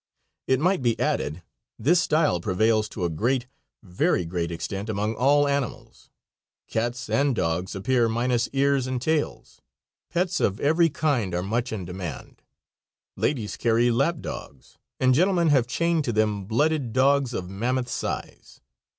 It might be added this style prevails to a great, very great extent among all animals. Cats and dogs appear minus ears and tails. Pets of every kind are much in demand. Ladies carry lap dogs, and gentlemen have chained to them blooded, dogs of mammoth size.